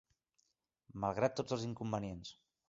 Malgrat tots els inconvenients